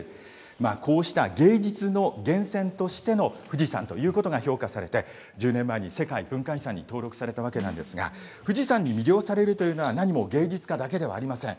こうした芸術の源泉としての富士山ということが評価されて、１０年前に世界文化遺産に登録されたわけなんですが、富士山に魅了されるというのは、何も芸術家だけではありません。